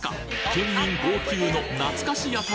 県民号泣のなつかし屋台